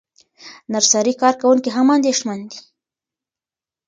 نرسري کارکوونکي هم اندېښمن دي.